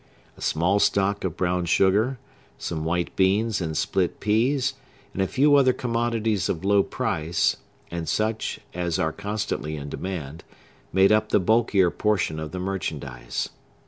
A small stock of brown sugar, some white beans and split peas, and a few other commodities of low price, and such as are constantly in demand, made up the bulkier portion of the merchandise.